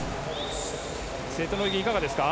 瀬戸の泳ぎいかがですか。